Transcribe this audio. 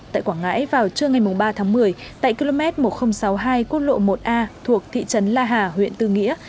tại quảng ngãi vào trưa ngày ba tháng một mươi tại km một nghìn sáu mươi hai quốc lộ một a thuộc thị trấn la hà huyện tư nghĩa